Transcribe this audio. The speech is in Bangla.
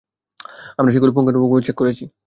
আমরা সেগুলো পুঙ্খানুপুঙ্খভাবে চেক করেছি।